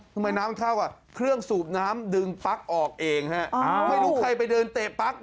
น้ำมันเข้าอ่ะเครื่องสูบน้ำดึงปั๊กออกเองฮะไม่รู้ใครไปเดินเตะปั๊ก